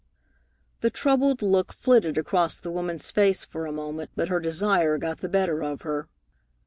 The troubled look flitted across the woman's face for a moment, but her desire got the better of her.